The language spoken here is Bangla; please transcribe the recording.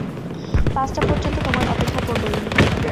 পাঁচটা পর্যন্ত তোমার অপেক্ষা করব, রিংকু।